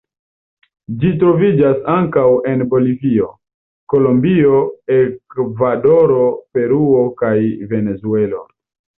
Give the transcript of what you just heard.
Ĝi troviĝas ankaŭ en Bolivio, Kolombio, Ekvadoro, Peruo kaj Venezuelo.